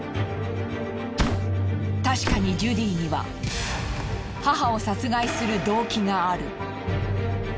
確かにジュディには母を殺害する動機がある。